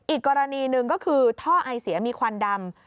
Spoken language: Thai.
อีกกรณีหนึ่งก็คือท่อไอเสียมีควันดำ